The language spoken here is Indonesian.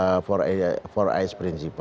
sebelumnya tidak dilakukan secara empat s principle